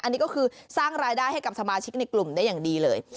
อันนี้ก็คือสร้างรายได้ให้กับสมาชิกในกลุ่มได้อย่างดีเลย